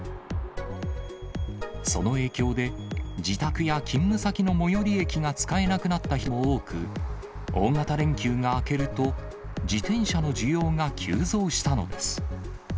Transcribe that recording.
その影響で、自宅や勤務先の最寄り駅が使えなくなった人も多く、大型連休が明けると、自転車の需要が急増したのです。